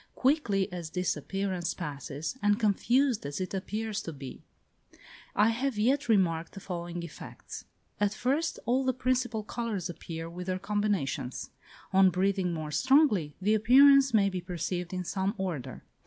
Quickly as this appearance passes, and confused as it appears to be, I have yet remarked the following effects: At first all the principal colours appear with their combinations; on breathing more strongly, the appearance may be perceived in some order.